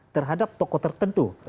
terhadap toko tertentu